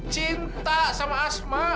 cinta sama asma